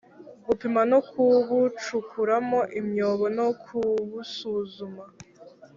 Gupima no kubucukuramo imyobo no kubusuzuma